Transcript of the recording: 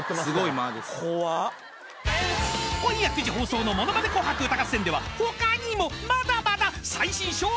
［今夜９時放送の『ものまね紅白歌合戦』では他にもまだまだ］